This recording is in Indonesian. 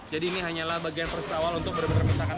jadi ini hanyalah bagian awal untuk benar benar bersihkan